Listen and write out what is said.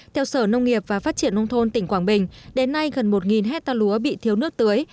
theo sở nông nghiệp và phát triển nông thôn tỉnh quảng bình đến nay gần một hectare lúa bị thiếu nước tưới